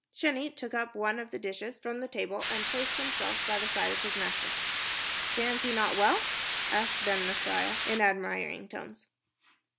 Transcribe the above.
Sheni took up one of the dishes from the table and placed himself by the side of his master. "Stands he not well?" asked Ben Maslia, in admiring tones.